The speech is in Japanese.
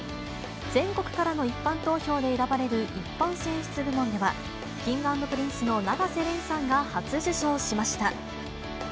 全国からの一般投票で選ばれる一般選出部門では、Ｋｉｎｇ＆Ｐｒｉｎｃｅの永瀬廉さんが初受賞しました。